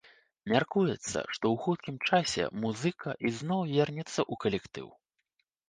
Мяркуецца, што ў хуткім часе музыка ізноў вернецца ў калектыў.